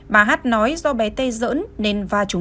bà hát nói do bé tây dỡn nên va chúng